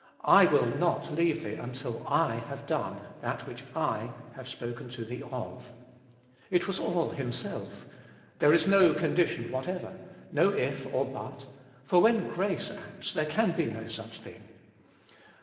I will not leave thee until I have done that which I have spoken to thee of." It was all himself. There is no condition whatever. No if or but; for when grace acts there can be no such thing.